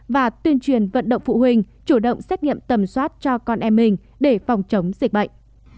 và tuyên truyền vận động phụ huynh chủ động xét nghiệm tầm soát cho con em mình để phòng chống dịch bệnh